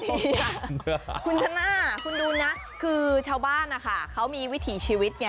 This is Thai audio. นี่คุณชนะคุณดูนะคือชาวบ้านนะคะเขามีวิถีชีวิตไง